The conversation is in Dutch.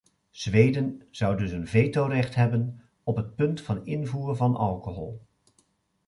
Zweden zou dus een vetorecht hebben op het punt van invoer van alcohol.